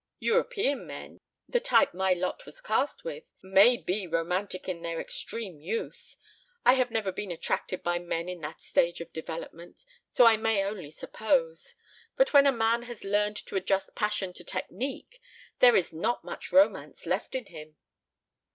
"European men the type my lot was cast with may be romantic in their extreme youth I have never been attracted by men in that stage of development, so I may only suppose but when a man has learned to adjust passion to technique there is not much romance left in him."